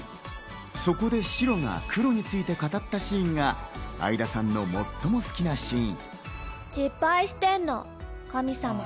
そこでシロがクロについて語ったシーンが相田さんの最も好きなシーン。